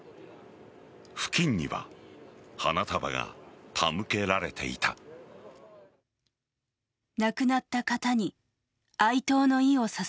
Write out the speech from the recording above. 付近には花束が手向けられていた。